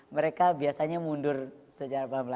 mereka biasanya mundur secara pelan pelan